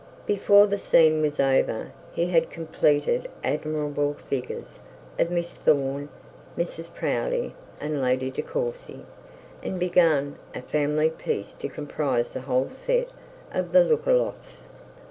Before the scene was over had had completed admirable figures of Miss Thorne, Mrs Proudie, and Lady De Courcy, and began a family piece to comprise the whole set of Lookalofts.